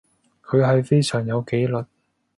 佢係非常有紀律